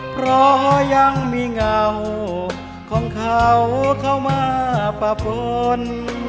เพราะยังมีเงาของเขาเข้ามาปะปน